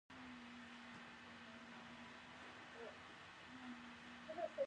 آیا د واده په ورځ ډزې کول د خوشحالۍ نښه نه ده؟